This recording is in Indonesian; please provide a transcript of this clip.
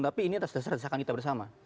tapi ini atas dasar desakan kita bersama